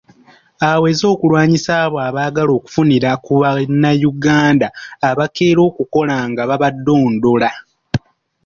Aweze okulwanyisa abo abaagala okufunira ku bannayuganda abakeera okukola nga babadondola.